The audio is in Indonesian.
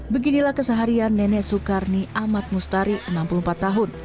beginilah keseharian nenek sukarni ahmad mustari enam puluh empat tahun